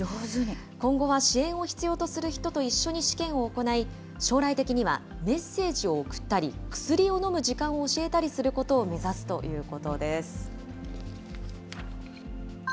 今後は支援を必要とする人と一緒に試験を行い、将来的にはメッセージを送ったり、薬を飲む時間を教えたりすることを目指すということです。